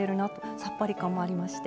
さっぱり感じもありまして